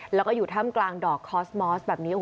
แล้วก็อยู่ถ้ำกลางดอกคอสมอสแบบนี้